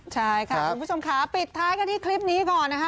ใช่ค่ะคุณผู้ชมค่ะปิดท้ายกันที่คลิปนี้ก่อนนะคะ